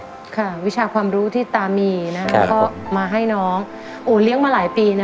ค่ะวิชาความรู้ที่ตามีนะฮะก็มาให้น้องโอ้เลี้ยงมาหลายปีนะ